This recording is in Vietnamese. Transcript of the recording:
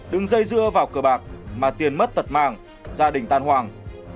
đừng dây dưa vào cờ bạc mà tiền mất tật mạng gia đình tan hoàng